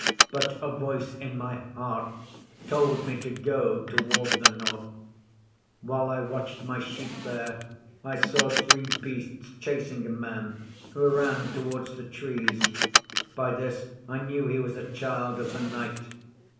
But a voice in my heart told me to go toward the north. While I watched my sheep there I saw three Beasts chasing a man, who ran toward the Trees. By this I knew he was a Child of the Night.